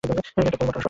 একটা poll button সহ।